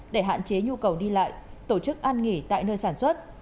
để hạn chế nhu cầu đi lại tổ chức ăn nghỉ tại nơi sản xuất